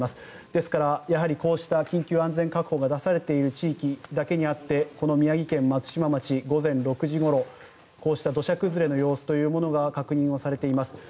ですから、こうした緊急安全確保が出されている地域だけあって宮城県松島町、午前６時ごろこうした土砂崩れの様子というのが確認されています。